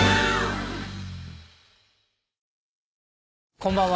こんばんは。